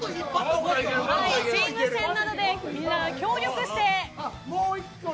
チーム戦なので、協力して。